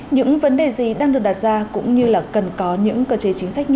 những vấn đề gì đang được đặt ra cũng như là cần có những cơ chế chính sách